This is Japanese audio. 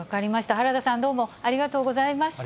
原田さん、どうもありがとうございました。